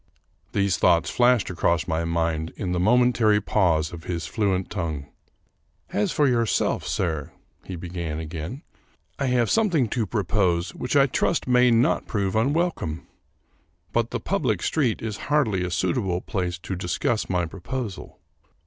These thoughts flashed across my mind in the momentary pause of his. fluent tongue. " As for yourself, sir," he began again, " I have some thing to propose which I trust may not prove unwelcome. But the public street is hardly a suitable place to discuss my proposal.